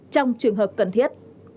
trong trường hợp cần thiết